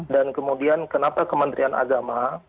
dan kemudian kenapa kementerian agama